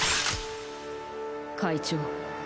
会長。